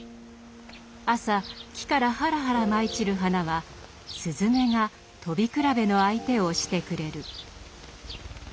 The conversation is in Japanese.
朝木からはらはら舞い散る花は雀がとびくらべの相手をしてくれる。